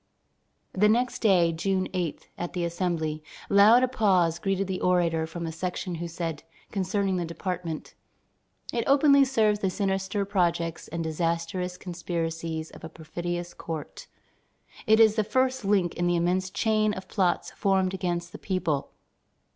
The next day, June 8, at the Assembly, loud applause greeted the orator from a section who said, concerning the department: "It openly serves the sinister projects and disastrous conspiracies of a perfidious court. It is the first link in the immense chain of plots formed against the people.